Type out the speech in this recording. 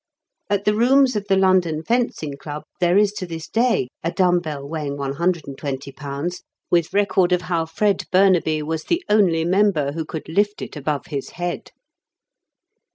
At the rooms of the London Fencing Club there is to this day a dumb bell weighing 120 lbs., with record of how Fred Burnaby was the only member who could lift it above his head.